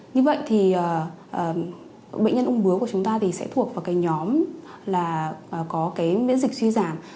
như vậy thì bệnh nhân ung bướu của chúng ta sẽ thuộc vào nhóm có miễn dịch suy giảm